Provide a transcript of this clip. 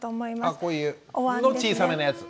あこういうの小さめなやつ。